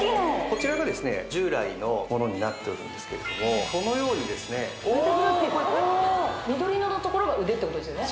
こちらが従来のものになっているんですけれどもこのようにですね・おお緑色のところが腕ってことですよね